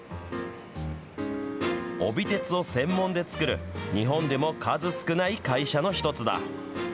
帯鉄を専門で作る日本でも数少ない会社の一つだ。